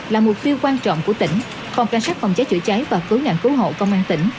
là mục tiêu quan trọng của tỉnh phòng cảnh sát phòng cháy chữa cháy và cứu nạn cứu hộ công an tỉnh